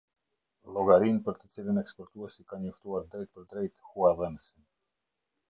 Llogarinë për të cilën Eksportuesi ka njoftuar drejtpërdrejtë Huadhënësin.